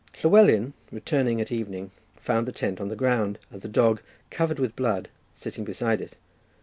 Llywelyn, returning at evening, found the tent on the ground, and the dog, covered with blood, sitting beside it.